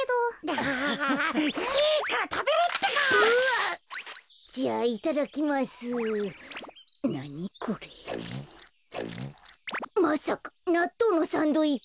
まさかなっとうのサンドイッチ？